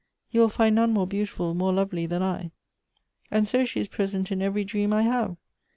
You will find none more beautiful, more lovely than I.' And so she is Dresent in every dream I have.